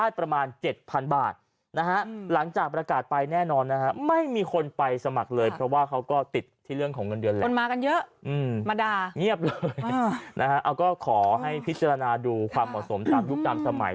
เยอะมาด่าเงียบเลยนะฮะเอาก็ขอให้พิจารณาดูความเหมาะสมตามยุคตามสมัย